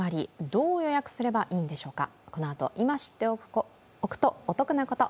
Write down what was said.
どう予約すればいいんでしょうか。